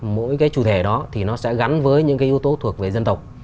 mỗi cái chủ thể đó thì nó sẽ gắn với những cái yếu tố thuộc về dân tộc